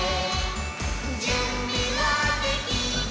「じゅんびはできた？